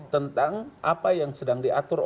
tentang apa yang sedang diatur